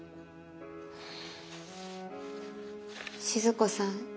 静子さん